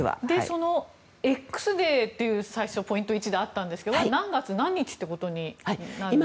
そのＸデーというポイント１であったんですが何月何日ということになるんですか？